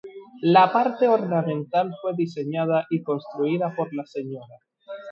La parte ornamental fue diseñada y construida por la Sra.